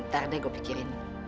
ntar deh gue pikirin